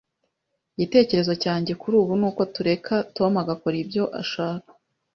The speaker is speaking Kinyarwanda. Igitekerezo cyanjye kuri ubu nuko tureka Tom agakora ibyo ashaka.